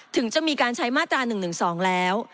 ถึงจะมีการใช้มาตรา๑๑๒แล้ว